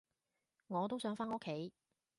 我都想返屋企